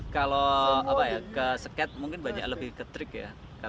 kalau ke skate mungkin banyak lebih ketrik ya